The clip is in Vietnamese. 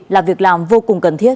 là việc làm vô cùng cần thiết